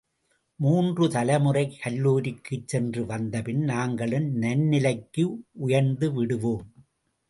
மூன்று தலைமுறை கல்லூரிக்குச் சென்று வந்தபின், நாங்களும் நன்னிலைக்கு உயர்ந்துவிடுவோம்.